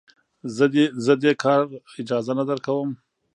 زه دې کار اجازه نه درکوم.